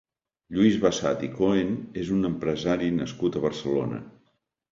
Lluís Bassat i Coen és un empresari nascut a Barcelona.